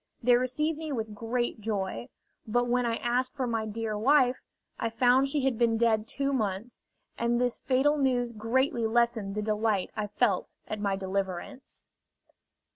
They received me with great joy; but when I asked for my dear wife, I found she had been dead two months, and this fatal news greatly lessened the delight I felt at my deliverance.